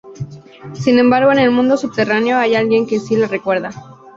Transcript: Sin embargo, en el mundo subterráneo hay alguien que sí le recuerda.